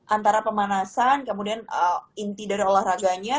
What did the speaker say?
antara pemanasan kemudian inti dari olahraganya